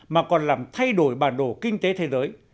mà còn làm thay đổi bản đồ kinh tế thế giới